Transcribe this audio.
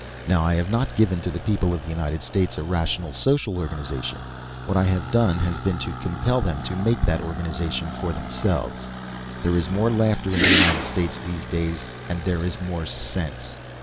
Now I have not given to the people of the United States a rational social organization. What I have done has been to compel them to make that organization themselves. There is more laughter in the United States these days, and there is more sense.